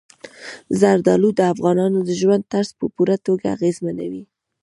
زردالو د افغانانو د ژوند طرز په پوره توګه اغېزمنوي.